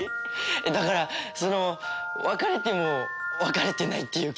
だからその別れても別れてないっていうか。